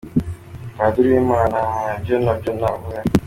Padiri Uwimana: Hahahaaa ibyo ntabyo navuze.